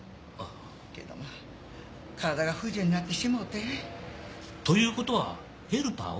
けどまぁ体が不自由になってしもうてね。ということはヘルパーを？